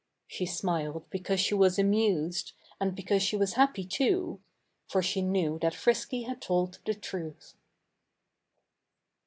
She smiled, because she was amused; and because she was happy, too. For she knew that Frisky had told the truth.